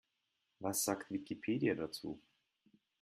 Was sagt Wikipedia dazu?